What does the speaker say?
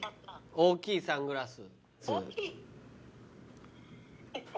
大きいサングラス。